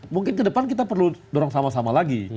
mungkin ke depan kita perlu dorong sama sama lagi